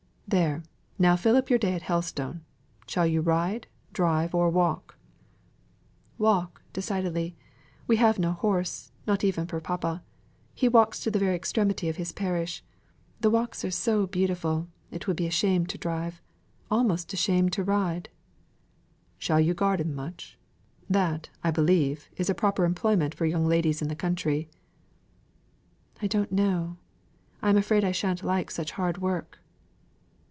There, now fill up your day at Helstone. Shall you ride, drive, or walk?" "Walk, decidedly. We have no horse, not even for papa. He walks to the very extremity of his parish. The walks are so beautiful, it would be a shame to drive almost a shame to ride." "Shall you garden much? That, I believe, is a proper employment for young ladies in the country." "I don't know. I am afraid I shan't like such hard work."